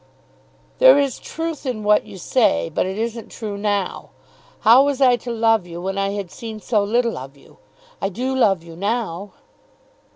"There is truth in what you say; but it isn't true now. How was I to love you when I had seen so little of you? I do love you now."